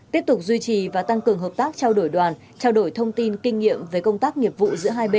tiếp tục duy trì và tăng cường hợp tác trao đổi đoàn trao đổi thông tin kinh nghiệm về công tác nghiệp vụ giữa hai bên